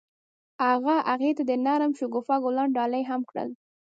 هغه هغې ته د نرم شګوفه ګلان ډالۍ هم کړل.